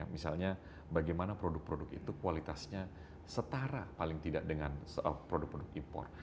misalnya bagaimana produk produk itu kualitasnya setara paling tidak dengan produk produk impor